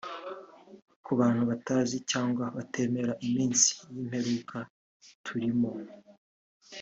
Ku bantu batazi cyangwa batemera iminsi y’imperuka turimo